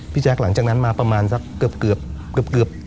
แจ๊คหลังจากนั้นมาประมาณสักเกือบ